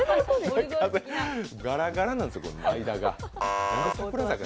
ガラガラなんですよ、間が。